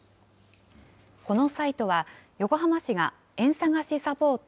このサイトは横浜市が、えんさがしサポート